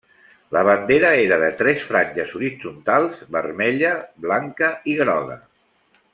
La bandera era de tres franges horitzontals vermella, blanca i groga.